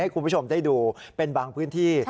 คุณผู้ชมได้ดูเป็นบางพื้นที่